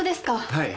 はい。